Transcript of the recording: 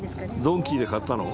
ドンキで買ったの？